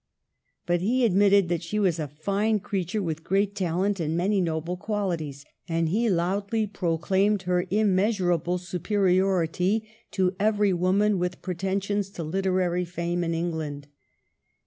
But he admitted that she was " a fine creature with great talent and many noble qualities" ; and he loudly proclaimed her immeasurable superiority to every woman with pretensions to literary fame in England.